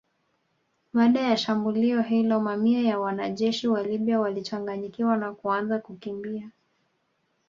Baada ya shambulio hilo mamia ya wanajeshi wa Libya walichanganyikiwa na kuanza kukimbia